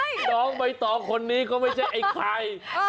เดี๋ยวน้องไปตองคนนี้ก็ไม่ใช่ไอ้ไข่